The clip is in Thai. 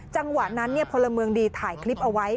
จังหวะนั้นพลเมืองดีถ่ายคลิปเอาไว้